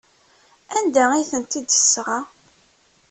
Anda ay tent-id-tesɣa?